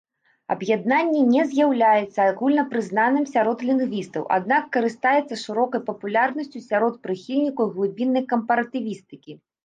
Аб'яднанне не з'яўляецца агульнапрызнаным сярод лінгвістаў, аднак карыстаецца шырокай папулярнасцю сярод прыхільнікаў глыбіннай кампаратывістыкі.